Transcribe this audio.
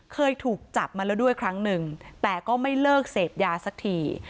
เคยถูกจับมาแล้วด้วยครั้งหนึ่งแต่ก็ไม่เลิกเสพยาสักที